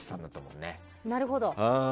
なるほど。